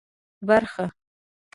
برخه